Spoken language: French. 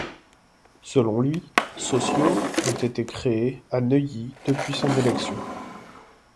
Selon lui, sociaux ont été créés à Neuilly depuis son élection.